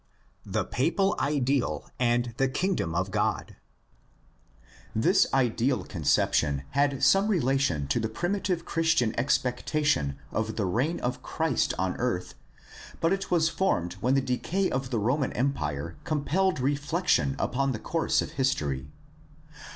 The papal ideal and the Kingdom of God. — This ideal conception has some relation to the primitive Christian ex pectation of the reign of Christ on earth, but it was formed when the decay of the Roman Empire compelled reflection upon the course of history.